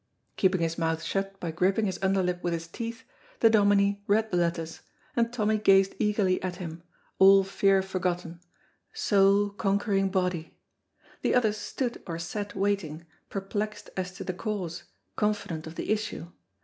Keeping his mouth shut by gripping his underlip with his teeth, the Dominie read the letters, and Tommy gazed eagerly at him, all fear forgotten, soul conquering body. The others stood or sat waiting, perplexed as to the cause, confident of the issue.